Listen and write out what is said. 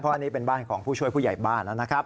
อันนี้เป็นบ้านของผู้ช่วยผู้ใหญ่บ้านแล้วนะครับ